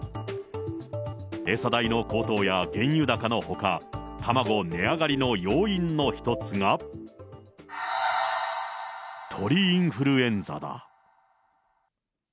餌代の高騰や原油高のほか、卵値上がりの要因の一つが、鳥インフルエンザだ。